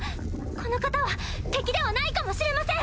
この方は敵ではないかもしれません！